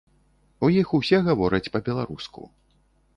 У іх усе гавораць па-беларуску.